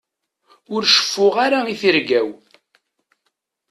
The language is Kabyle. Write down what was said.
Ur ceffuɣ ara i tirga-w.